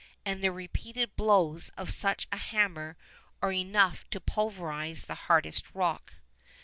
and the repeated blows of such a hammer are enough to pulverise the hardest rock.